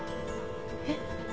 えっ？